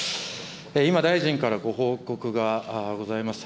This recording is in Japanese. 今、大臣からご報告がございました。